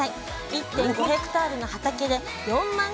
１．５ヘクタールの畑で４万個以上の春